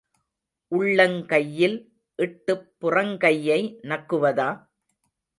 உள்ளங்கையில் இட்டுப் புறங்கையை நக்குவதா?